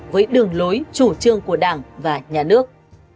với đường lối chủ trương của đảng và nhà nước